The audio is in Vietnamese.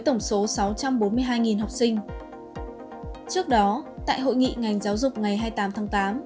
tổng số sáu trăm bốn mươi hai học sinh trước đó tại hội nghị ngành giáo dục ngày hai mươi tám tháng tám